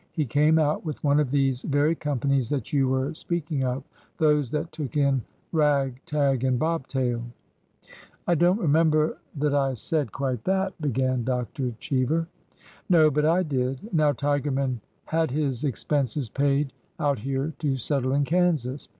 He came out with one of these very companies that you were speak ing of — those that took in ' rag, tag, and bobtail.' " I don't remember that I said quite that —" began Dr. Cheever. No, but I did. Now, Tigerman had his expenses paid out here to settle in Kansas.